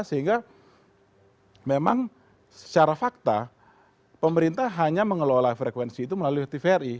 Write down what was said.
sehingga memang secara fakta pemerintah hanya mengelola frekuensi itu melalui tvri